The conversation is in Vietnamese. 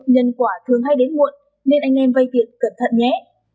nhân quả thường hay đến muộn nên anh em vay tiền cẩn thận nhé